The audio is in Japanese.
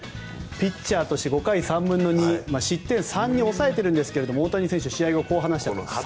ピッチャーとして５回３分の２失点３に抑えてるんですが大谷選手試合をこう話しています。